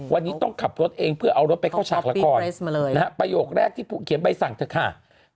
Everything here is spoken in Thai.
วันนี้ต้องขับรถเองเพื่อเอารถไปเข้าฉากละครประโยคแรกที่เขียนใบสั่งเถอะค่ะ